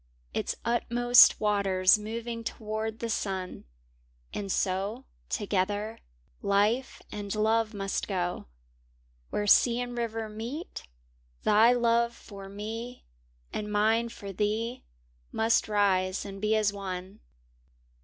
Its utmost waters moving toward the sun; And so, together, Life and Love must go Where sea and river meet, thy love for me And mine for thee must rise and be as one.